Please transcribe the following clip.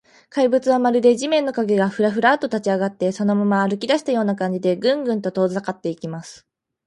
怪物は、まるで地面の影が、フラフラと立ちあがって、そのまま歩きだしたような感じで、グングンと遠ざかっていきます。